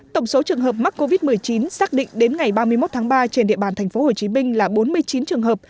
tổng số trường hợp mắc covid một mươi chín xác định đến ngày ba mươi một tháng ba trên địa bàn tp hcm là bốn mươi chín trường hợp